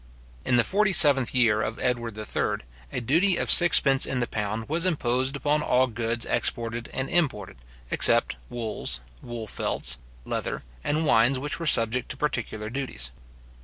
In the forty seventh year of Edward III., a duty of sixpence in the pound was imposed upon all goods exported and imported, except wools, wool felts, leather, and wines which were subject to particular duties.